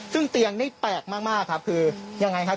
ซึ่งเตียงนี่แปลกมากครับคือยังไงครับ